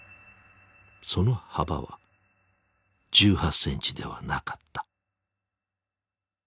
その幅は１８センチではなかった。